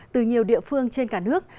từ nhiều địa phương trên cả nước